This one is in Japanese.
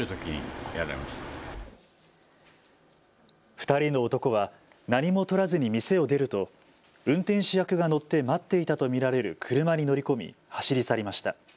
２人の男は何も取らずに店を出ると運転手役が乗って待っていたと見られる車に乗り込み走り去りました。